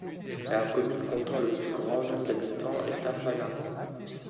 La commune comptant le plus grand nombre d'habitants est Tafalla.